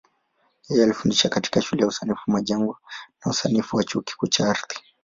Yeye alifundisha katika Shule ya Usanifu Majengo na Usanifu wa Chuo Kikuu cha Ardhi.